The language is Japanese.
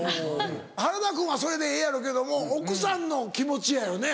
原田君はそれでええやろうけども奥さんの気持ちやよね。